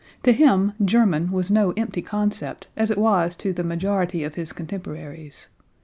To him "German" was no empty concept, as it was to the majority of his contemporaries.